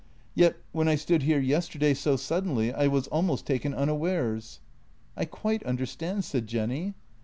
Yet, when I stood here yesterday so suddenly, I was almost taken unawares." " I quite understand," said Jenny.